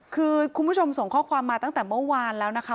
คือคุณผู้ชมส่งข้อความมาตั้งแต่เมื่อวานแล้วนะคะ